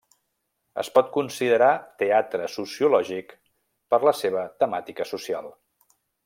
Es pot considerar teatre sociològic per la seva temàtica social.